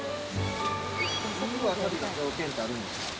いいわさびの条件ってあるんですか。